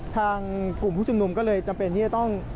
ทางกลุ่มผู้ชุมนุมก็เลยจำเป็นที่จะต้อง